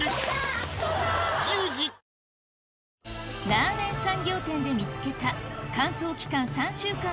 ラーメン産業展で見つけた乾燥期間